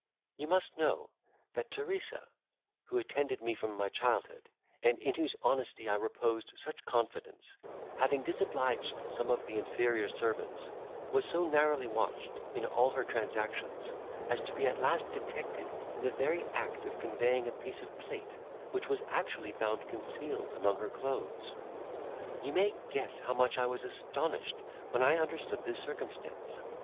"You must know, that Teresa, who attended me from my childhood, and in whose honesty I reposed such confidence, having disobliged some of the inferior servants, was so narrowly watched in all her transactions, as to be at last detected in the very act of conveying a piece of plate, which was actually found concealed among her clothes. "You may guess how much I was astonished when I understood this circumstance.